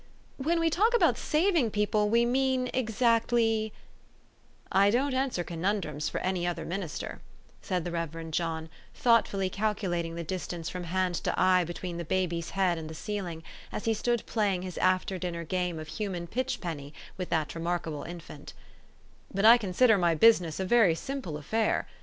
When we talk about saving people, we mean exactly" " I don't answer conundrums for any other minister," said the Reverend John, thoughtfully calculating the distance from hand to eye between the baby's head and the ceiling, as he stood playing his after dinner game of human pitch penny with that remarkable infant ;'' but I consider my business a very simple affair.